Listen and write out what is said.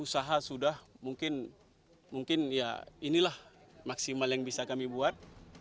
usaha sudah mungkin mungkin ya inilah maksimal yang bisa kami buat